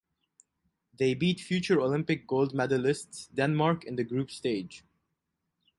They beat future Olympic gold medalists Denmark in the group stage.